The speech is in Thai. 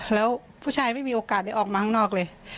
แล้วผู้ชายไม่มีโอกาสได้ออกมาข้างนอกเลย